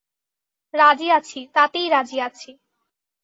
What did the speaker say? রাজি আছি, তাতেই রাজি আছি।